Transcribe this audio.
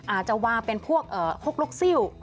อาจจะวางเป็นพวกหกลกซิ่ว